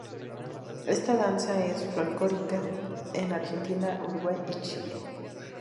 Esta danza es folclórica en Argentina, Uruguay y Chile.